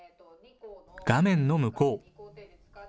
画面の向こう。